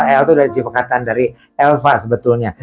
el itu dari sipekatan dari elva sebetulnya